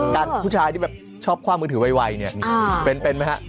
ผู้ชายที่แบบชอบคว่างมือถือไวเนี่ยเป็นไหมฮะ